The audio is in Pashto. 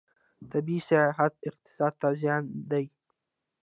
طبي سیاحت اقتصاد ته زیان دی.